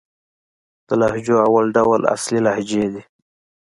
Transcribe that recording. د لهجو اول ډول اصلي لهجې دئ.